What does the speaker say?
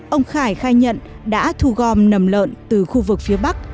ông khải khai nhận đã thu gom nầm lợn từ khu vực phía bắc